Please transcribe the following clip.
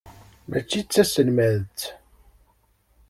Mačči d taselmadt.